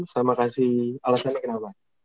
sama kasih alasannya kenapa